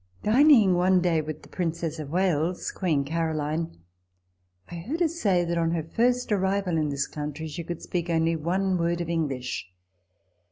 Dining one day with the Princess of Wales (Queen Caroline), I heard her say that on her first arrival in this country she could speak only one word of English.